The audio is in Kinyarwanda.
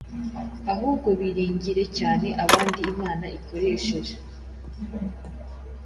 ahubwo biringire cyane abandi Imana ikoresha